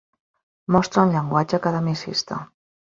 Mostra un llenguatge academicista.